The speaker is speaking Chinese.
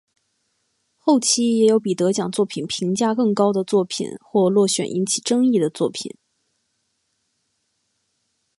后期也有比得奖作品评价更高的作品或落选引起争议的作品。